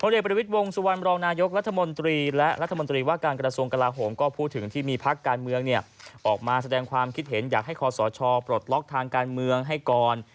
เด็กประวิทย์วงสุวรรณรองนายกรัฐมนตรีและรัฐมนตรีว่าการกระทรวงกลาโหมก็พูดถึงที่มีพักการเมืองออกมาแสดงความคิดเห็นอยากให้คอสชปลดล็อกทางการเมืองให้ก่อน